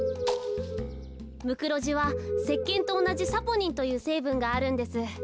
ムクロジはせっけんとおなじサポニンというせいぶんがあるんです。